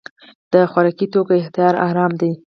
د خوراکي توکو احتکار حرام دی.